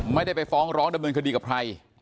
ไม่ได้ไปฟ้องร้องดำเนินคดีกับใคร